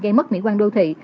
gây mất mỹ quan đô thị